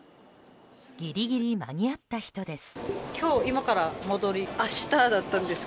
ギリギリ間に合った人です。